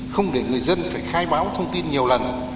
không để người dân phải khai báo thông tin nhiều lần